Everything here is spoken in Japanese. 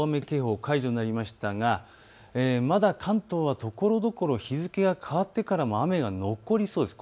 三宅島に出ていた大雨警報、解除になりましたが、まだ関東はところどころ日付が変わってからも雨が残りそうです。